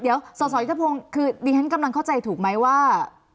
เดี๋ยวสสยุทธพงศ์คือดิฉันกำลังเข้าใจถูกไหมว่า